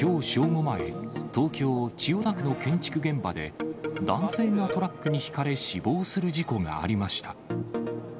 午前、東京・千代田区の建築現場で、男性がトラックにひかれ死亡する事故がありました。